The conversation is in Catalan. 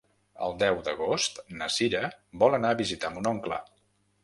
El deu d'agost na Sira vol anar a visitar mon oncle.